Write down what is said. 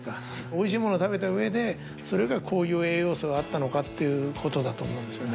おいしいものを食べた上でそれがこういう栄養素があったのかっていうことだと思うんですよね。